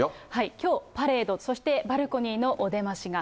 きょう、パレード、そしてバルコニーのお出ましが。